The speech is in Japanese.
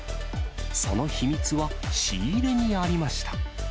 その秘密は仕入れにありました。